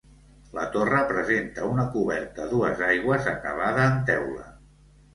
La torre presenta una coberta a dues aigües acabada en teula.